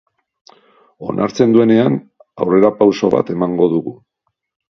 Onartzen duenean, aurrerapauso bat emango dugu.